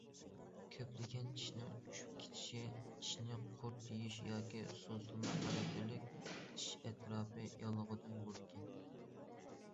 كۆپلىگەن چىشنىڭ چۈشۈپ كېتىشى چىشنى قۇرت يېيىش ياكى سوزۇلما خاراكتېرلىك چىش ئەتراپى ياللۇغىدىن بولىدىكەن.